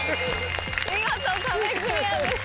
見事壁クリアです。